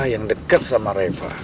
yang deket sama reva